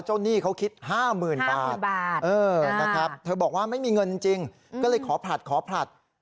หนี้เขาคิด๕๐๐๐บาทนะครับเธอบอกว่าไม่มีเงินจริงก็เลยขอผลัดขอผลัด